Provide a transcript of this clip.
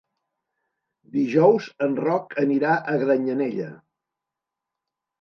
Dijous en Roc anirà a Granyanella.